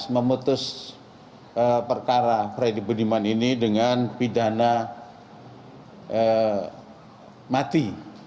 memutus perkara freddy budiman ini dengan pidana mati